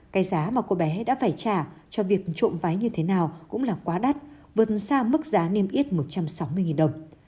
cái giá mà cô bé đã phải trả cho việc trộm váy như thế nào cũng là quá đắt vươn xa mức giá niêm yết một trăm sáu mươi đồng